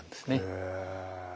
へえ。